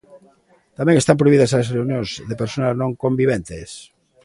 Tamén están prohibidas as reunións de persoas non conviventes.